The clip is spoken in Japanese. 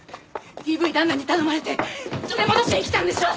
ＤＶ旦那に頼まれて連れ戻しに来たんでしょ！